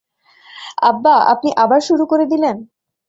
আব্বা, আপনি আবার শুরু করে দিলেন।